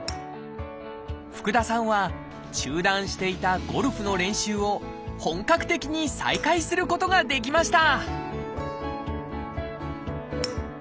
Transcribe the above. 福田さんは中断していたゴルフの練習を本格的に再開することができました！